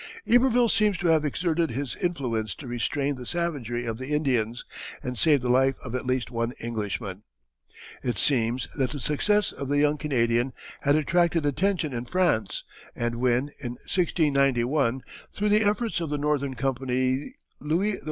Iberville seems to have exerted his influence to restrain the savagery of the Indians, and saved the life of at least one Englishman. It seems that the successes of the young Canadian had attracted attention in France, and when in 1691, through the efforts of the Northern Company, Louis XIV.